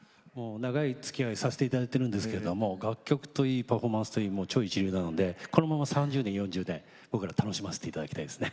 長いつきあいをさせて頂いてるんですけれども楽曲といいパフォーマンスといい超一流なのでこのまま３０年４０年僕らを楽しませて頂きたいですね。